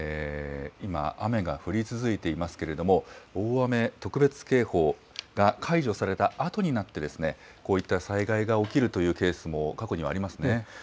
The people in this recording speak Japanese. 今、雨が降り続いていますけれども、大雨特別警報が解除されたあとになって、こういった災害が起きるというケースも過去にはありますね。